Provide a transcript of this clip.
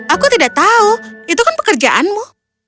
aku tidak tahu itu kan pekerjaanmu